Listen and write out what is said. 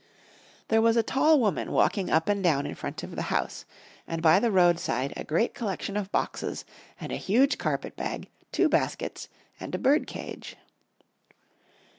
There was a tall woman walking up and down in front of the house, and by the roadside a great collection of boxes, and a huge carpet bag, two baskets, and a bird cage.